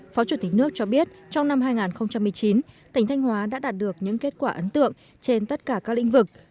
phó chủ tịch nước cho biết trong năm hai nghìn một mươi chín tỉnh thanh hóa đã đạt được những kết quả ấn tượng trên tất cả các lĩnh vực